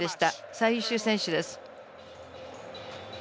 最優秀選手です。